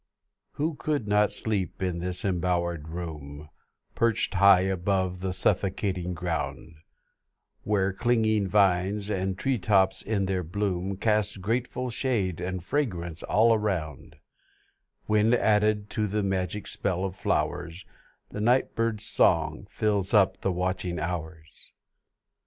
Who could not sleep in this embowered room Perched high above the suffocating ground; Where clinging vines, and tree tops in their bloom Cast grateful shade and fragrance all around; When, added to the magic spell of flowers, The night bird's song fills up the witching hours!